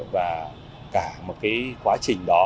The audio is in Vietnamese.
và cả một quá trình đó